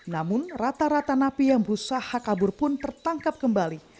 namun rata rata napi yang berusaha kabur pun tertangkap kembali